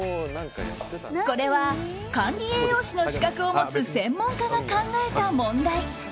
これは、管理栄養士の資格を持つ専門家が考えた問題。